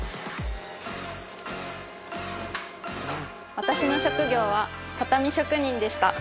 私の職業は畳職人でした。